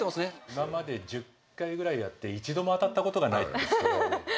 今まで１０回ぐらいやって一度も当たったことがないってふふふふっ